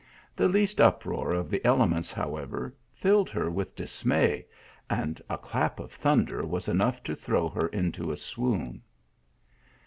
The least uproar of the elements, however, filled her with dismay, and a clap of thunder was enough to throw her into a swoon.